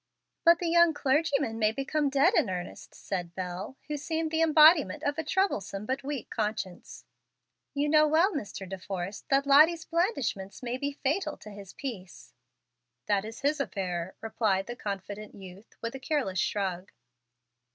"But the young clergyman may become dead in earnest," said Bel, who seemed the embodiment of a troublesome but weak conscience. "You know well, Mr. De Forrest, that Lottie's blandishments may be fatal to his peace." "That is his affair," replied the confident youth, with a careless shrug.